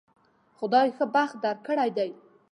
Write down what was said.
خدای ښه بخت درکړی دی